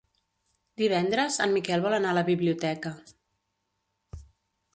Divendres en Miquel vol anar a la biblioteca.